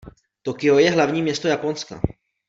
Tokio je hlavní město Japonska.